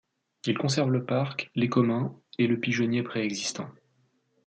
Il conserve le parc, les communs et le pigeonnier préexistants.